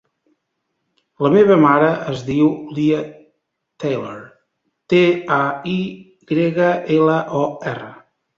La meva mare es diu Lia Taylor: te, a, i grega, ela, o, erra.